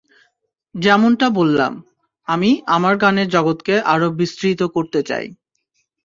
যেমনটা বললাম, আমি আমার গানের জগৎকে আরও বিস্তৃত করতে চাই।